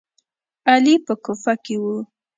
علي په کوفه کې و.